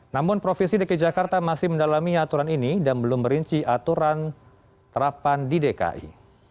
namun provinsi dki jakarta masih mendalami aturan ini dan belum merinci aturan terapan di dki